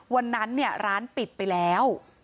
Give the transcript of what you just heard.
วันนั้นเนี่ยร้านปิดไปแล้ว